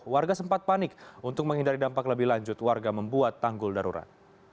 warga sempat panik untuk menghindari dampak lebih lanjut warga membuat tanggul darurat